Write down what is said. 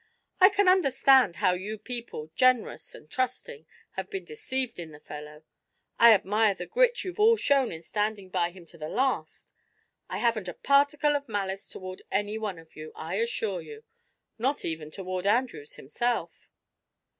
I can understand how you people, generous and trusting, have been deceived in the fellow; I admire the grit you've all shown in standing by him to the last. I haven't a particle of malice toward any one of you, I assure you not even toward Andrews himself."